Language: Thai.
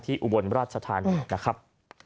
ที่อุบลราชสถานนะครับ